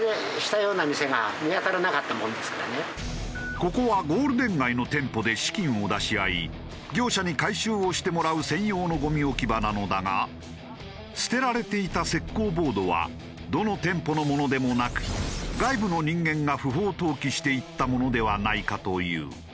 ここはゴールデン街の店舗で資金を出し合い業者に回収をしてもらう専用のゴミ置き場なのだが捨てられていた石膏ボードはどの店舗のものでもなく外部の人間が不法投棄していったものではないかという。